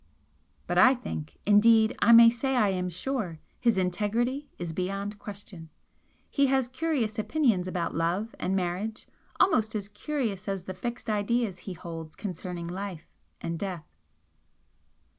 But I think indeed I may say I am sure his integrity is beyond question. He has curious opinions about love and marriage almost as curious as the fixed ideas he holds concerning life and death."